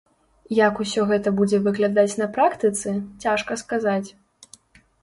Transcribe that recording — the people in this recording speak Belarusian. Як усё гэта будзе выглядаць на практыцы, цяжка сказаць.